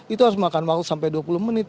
itu harus makan waktu sampai dua puluh menit